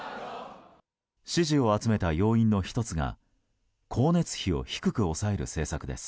支持を集めた要因の１つが光熱費を低く抑える政策です。